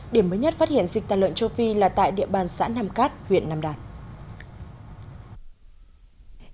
điểm mới nhất phát hiện dịch tà lợn châu phi là tại địa bàn xã nam cát huyện nam đàn